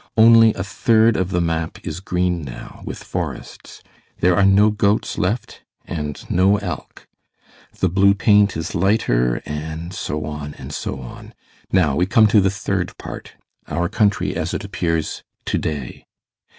Only a third of the map is green now with forests. There are no goats left and no elk. The blue paint is lighter, and so on, and so on. Now we come to the third part; our country as it appears to day.